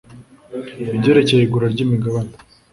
ibyerekeye igura ry imigabane